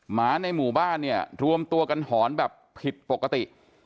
หมาในหมู่บ้านเนี่ยรวมตัวกันหอนแบบผิดปกติ